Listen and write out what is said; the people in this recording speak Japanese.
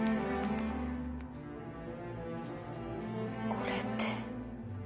これって。